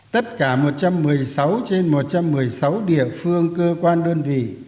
tất cả một trăm một mươi sáu trên một trăm một mươi sáu địa phương cơ quan đơn vị